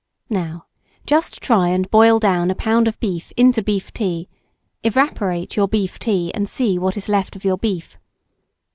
Now, just try and boil down a lb. of beef into beef tea, evaporate your beef tea, and see what is left of your beef.